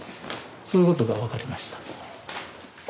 そういうことが分かりました。